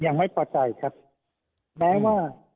ยังไม่พอใจครับแม้ว่า